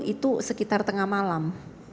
itu sekitar tengah malam